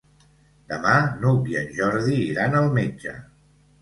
Demà n'Hug i en Jordi iran al metge.